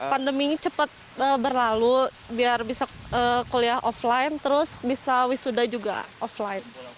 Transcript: pandemi ini cepat berlalu biar bisa kuliah offline terus bisa wisuda juga offline